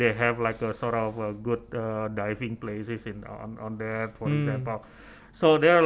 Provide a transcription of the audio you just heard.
mereka memiliki tempat yang bagus untuk menyerang